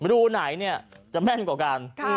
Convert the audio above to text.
รูไหนจะแม่นกว่ากัน